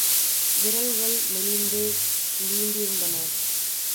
விரல்கள் மெலிந்து நீண்டிருந்தன.